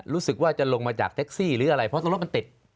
รู้สึกว่าจะลงมาจากแท็กซี่หรืออะไรเพราะตรงรถมันติด